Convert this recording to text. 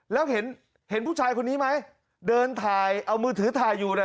แล้วเห็นผู้ชายคนนี้ไหมเดินถ่ายเอามือถือถ่ายอยู่น่ะ